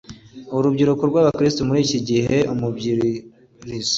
urubyiruko rw abakristo muri iki gihe umubwiriiiza